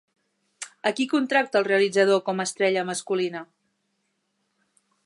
A qui contracta el realitzador com a estrella masculina?